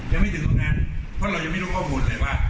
ยังไม่ถึงตรงนั้นเพราะเรายังไม่รู้ข้อมูลเลยว่า